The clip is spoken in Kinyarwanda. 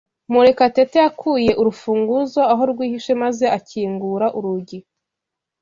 Murekatete yakuye urufunguzo aho rwihishe maze akingura urugi.